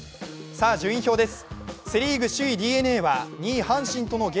さあ順位表です。